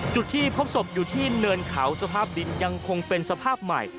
จุดที่พบศพอยู่ที่เนินเขาสภาพดินยังคงเป็นสภาพใหม่